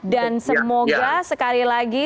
dan semoga sekali lagi